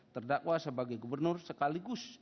terdakwa sebagai gubernur sekaligus